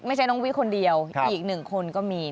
ไม่ใช่น้องวิคนเดียวอีกหนึ่งคนก็มี